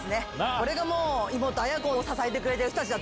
これがイモトアヤコを支えてくれてる人たちだ！